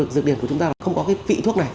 dược điểm của chúng ta là không có cái vị thuốc này